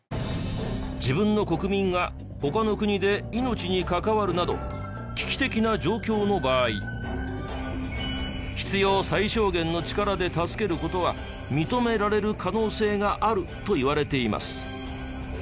自分の国民が他の国で命に関わるなど危機的な状況の場合必要最小限の力で助ける事は認められる可能性があるといわれています。